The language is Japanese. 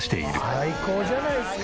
最高じゃないですか！